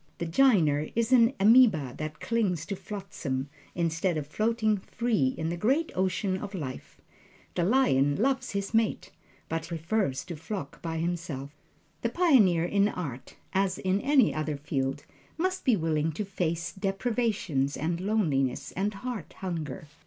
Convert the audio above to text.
The "jiner" is an ameba that clings to flotsam, instead of floating free in the great ocean of life. The lion loves his mate, but prefers to flock by himself. The pioneer in art, as in any other field, must be willing to face deprivations and loneliness and heart hunger.